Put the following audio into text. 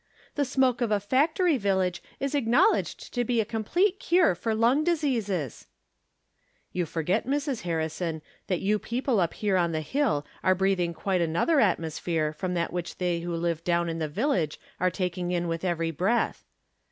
" The smoke of a factory vil lage is acknowledged to be a complete cure for lung diseases !"" You forget, Mrs. Harrison, that you people up here on the hill are breathing quite another atmosphere from that which they who live down in the village are taking in with every breath."